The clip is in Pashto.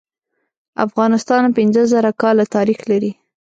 افغانستان پینځه زره کاله تاریخ لري.